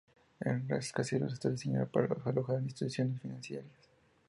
El rascacielos está diseñado para alojar instituciones financieras.